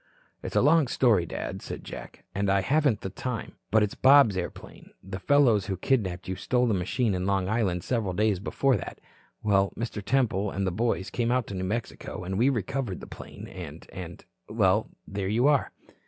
"It's a long story, Dad," said Jack, "and I haven't the time. But it's Bob's airplane. The fellows who kidnapped you stole the machine in Long Island several days before that. Well, Mr. Temple and the boys came out to New Mexico, and we recovered the plane and, and well, there you are."